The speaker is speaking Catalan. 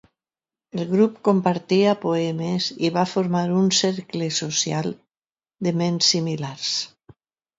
El grup compartia poemes i va formar un cercle social de ments similars.